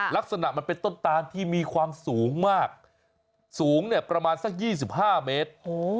ลักษณะมันเป็นต้นตานที่มีความสูงมากสูงเนี่ยประมาณสัก๒๕เมตร